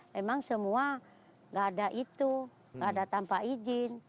memang semua nggak ada itu nggak ada tanpa izin